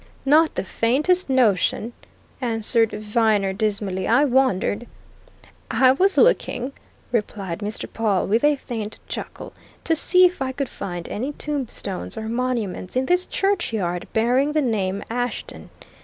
"Not the faintest notion!" answered Viner dismally. "I wondered!" "I was looking," replied Mr. Pawle with a faint chuckle, "to see if I could find any tombstones or monuments in this churchyard bearing the name Ashton.